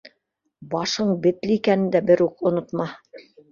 Башың бетле икәнен дә берүк онотма!